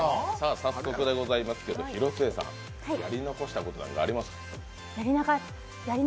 早速でございますけれども、広末さん、やり残したことはありますか？